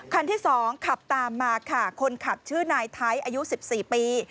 คันที่สองขับตามมาค่ะคนขับชื่อนายไทท์อายุสิบสี่ปี